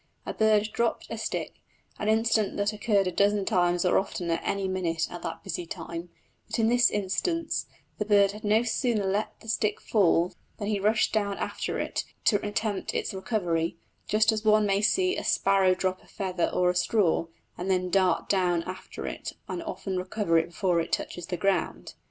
A bird dropped a stick an incident that occurred a dozen times or oftener any minute at that busy time; but in this instance the bird had no sooner let the stick fall than he rushed down after it to attempt its recovery, just as one may see a sparrow drop a feather or straw, and then dart down after it and often recover it before it touches the ground.